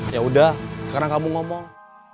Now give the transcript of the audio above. yaudah sekarang kamu ngomong